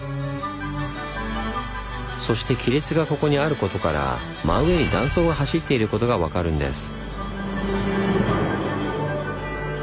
そして亀裂がここにあることから真上に断層が走っていることが分かるんです。